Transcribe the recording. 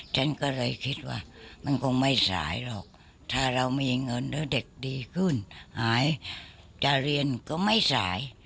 ฉันก็เลยคิดว่ามันคงไม่สายหรอกถ้าเรามีเงินแล้วเด็กดีขึ้นหายจะเรียนก็ไม่สาย